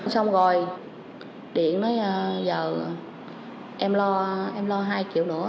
xong rồi điện nói giờ em lo hai triệu nữa